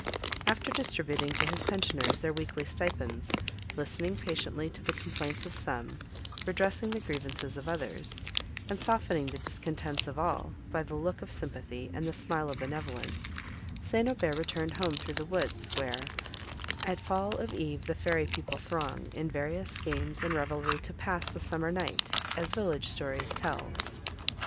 After distributing to his pensioners their weekly stipends, listening patiently to the complaints of some, redressing the grievances of others, and softening the discontents of all, by the look of sympathy, and the smile of benevolence, St. Aubert returned home through the woods, where, At fall of eve the fairy people throng, In various games and revelry to pass The summer night, as village stories tell.